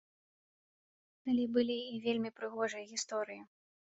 Але былі і вельмі прыгожыя гісторыі.